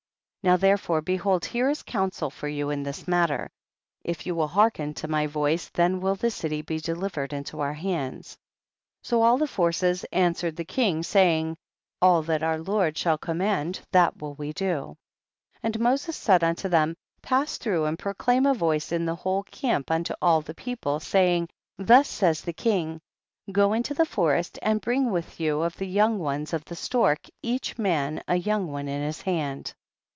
9. Now therefore behold here is counsel for yoii in this matter ; if you will hearken to my voice, then will the city be delivered into our hands. 10. So all the forces answered the king, saying, all that our lord shall command that will we do. 11. And Moses said unto them, pass through and proclaim a voice in the whole camp unto all the people, saying, 12. Thus says the king, go into the forest and bring with you of the young ones of the stork, each man a young one in his hand.